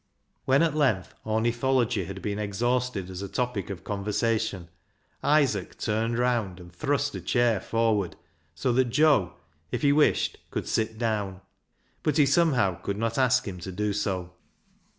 When at length ornithology had been ex hausted as a topic of conversation, Isaac turned round and thrust a chair forward, so that Joe, if he wished, could sit down. But he, somehow, could not ask him to do so.